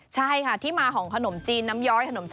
ใช่ค่ะที่มาของขนมจีนน้ำย้อยขนมเส้นน้ำย้อย